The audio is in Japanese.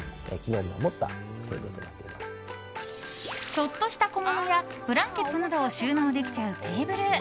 ちょっとした小物やブランケットなどを収納できちゃうテーブル。